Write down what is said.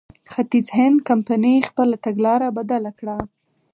ختیځ هند کمپنۍ خپله تګلاره بدله کړه.